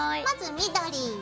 緑。